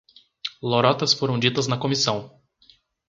Lorotas foram ditas na comissão